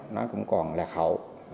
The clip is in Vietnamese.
nó cũng còn lạc hậu